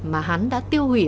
mà hắn đã tiêu hủy